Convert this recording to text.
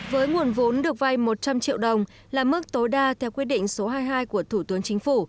với nguồn vốn được vay một trăm linh triệu đồng là mức tối đa theo quyết định số hai mươi hai của thủ tướng chính phủ